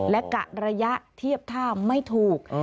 และกะระยะเทียบท่าไม่ถูก